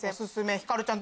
ひかるちゃん